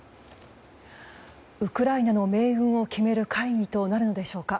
ウクライナの命運を決める会議となるのでしょうか。